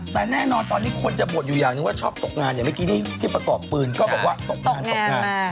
แต่แน่นอนตอนนี้คนจะบ่นอยู่อย่างหนึ่งว่าชอบตกงานอย่างเมื่อกี้ที่ประกอบปืนก็บอกว่าตกงานตกงาน